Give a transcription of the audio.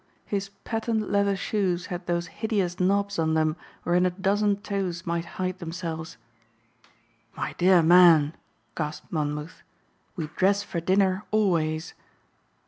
His patent leather shoes had those hideous knobs on them wherein a dozen toes might hide themselves. "My dear man," gasped Monmouth, "we dress for dinner always."